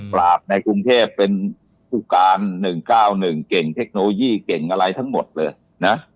ปราบในกรุงเทพเป็นผู้การ๑๙๑เก่งเทคโนโลยีเก่งอะไรทั้งหมดเลยนะ